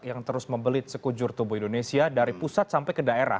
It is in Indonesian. yang terus membelit sekujur tubuh indonesia dari pusat sampai ke daerah